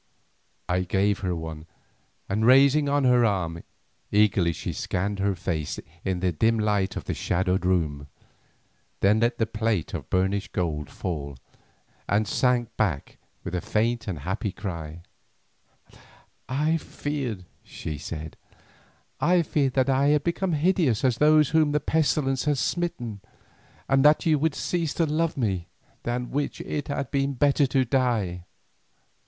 I gave her one, and rising on her arm, eagerly she scanned her face in the dim light of the shadowed room, then let the plate of burnished gold fall, and sank back with a faint and happy cry: "I feared," she said, "I feared that I had become hideous as those are whom the pestilence has smitten, and that you would cease to love me, than which it had been better to die."